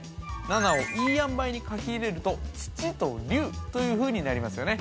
七をいいあんばいに書き入れると「土」と「竜」というふうになりますよね